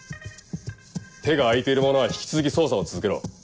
手が空いている者は引き続き捜査を続けろ。